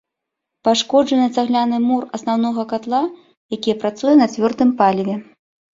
Пашкоджаны цагляны мур асноўнага катла, які працуе на цвёрдым паліве.